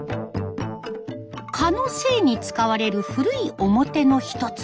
蚊の精に使われる古い面の一つ。